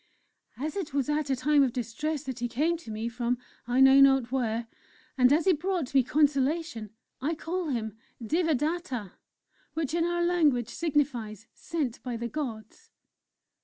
"As it was at a time of distress that he came to me, from I know not where, and as he brought me consolation I call him 'Devadatta,' which in our language signifies 'Sent by the Gods.'"